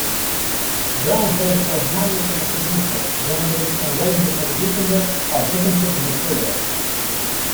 Brown played for Hamilton Academical, Dundee and Rangers as a defender or defensive midfielder.